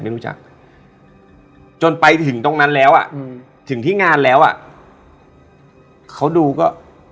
ไม่รู้จักจนไปถึงตรงนั้นแล้วอ่ะอืมถึงที่งานแล้วอ่ะเขาดูก็